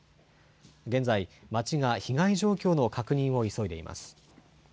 現在、町が被害状況の確認を急いでいます。